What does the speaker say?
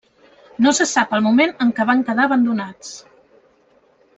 No se sap el moment en què van quedar abandonats.